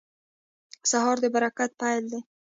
سهار د برکت پیل دی.